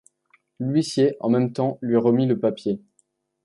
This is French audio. L’huissier en même temps lui remit le papier.